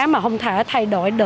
mà không thể thay đổi